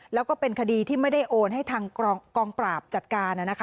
แล้วก็เป็นคดีที่ไม่ได้โอนให้ทางกองปราบจัดการ